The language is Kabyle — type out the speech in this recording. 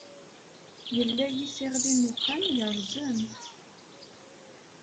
Yella yiseɣli n uxxam yerẓem.